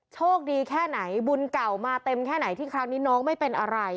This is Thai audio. โชคดีแค่ไหนบุญเก่ามาเต็มแค่ไหนที่ครั้งนี้น้องไม่เป็นอะไร